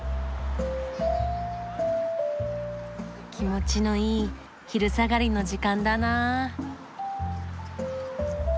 気持ちのいい昼下がりの時間だな。